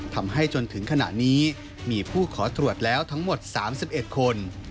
จนถึงขณะนี้มีผู้ขอตรวจแล้วทั้งหมด๓๑คน